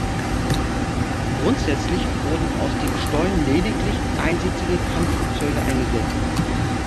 Grundsätzlich wurden aus dem Stollen lediglich einsitzige Kampfflugzeuge eingesetzt.